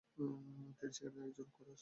তিনি সেখানে একজন কোরাস গায়ক হিসাবে ছিলেন।